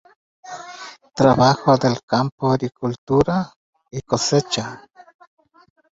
En este torneo no existían las categorías ni límite de pesos.